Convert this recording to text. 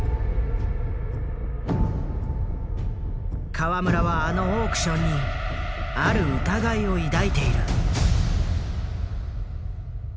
河村はあのオークションにある疑いを抱いている。